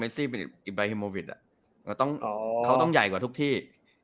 แมซิเป็นอีบไบหิมโมวิทอ่ะเป็นต้องเป็นใหญ่กว่าทุกที่